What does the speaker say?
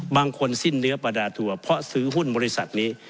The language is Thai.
บางคนสิ้นเนื้อประดาทัวร์เพราะซื้อหุ้นบริษัทนี้